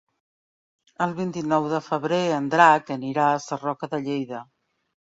El vint-i-nou de febrer en Drac anirà a Sarroca de Lleida.